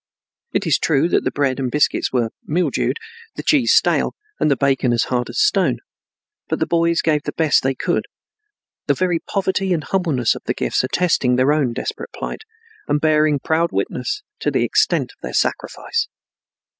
It is true that the bread and biscuits were mildewed, the cheese stale, and the bacon as hard as stone, but the boys gave the best they could, the very poverty and humbleness of the gifts attesting their own desperate plight, and bearing proud witness to the extent of their sacrifice.